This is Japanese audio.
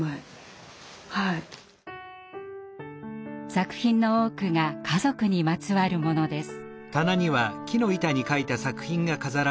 作品の多くが家族にまつわるものです。